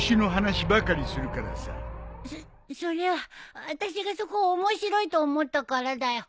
そそりゃあたしがそこを面白いと思ったからだよ。